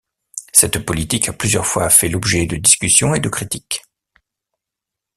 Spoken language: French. Cette politique a plusieurs fois fait l'objet de discussions et de critiques.